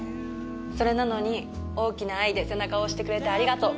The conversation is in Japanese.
それなのに大きな愛で背中を押してくれてありがとう。